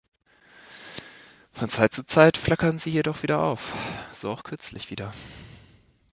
Von Zeit zu Zeit flackern sie jedoch wieder auf, so auch kürzlich wieder.